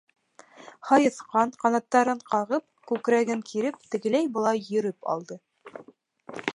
Һайыҫҡан, ҡанаттарын ҡағып, күкрәген киреп тегеләй-былай йөрөп алды.